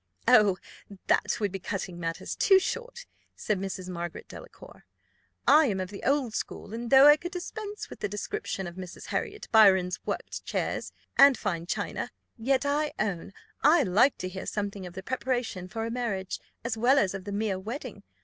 '" "Oh, that would be cutting matters too short," said Mrs. Margaret Delacour. "I am of the old school; and though I could dispense with the description of Miss Harriot Byron's worked chairs and fine china, yet I own I like to hear something of the preparation for a marriage, as well as of the mere wedding.